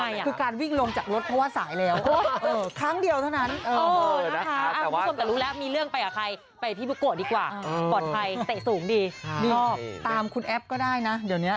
ไม่เคยเห็นแม่แอปมีรีลาแบบนี้เลย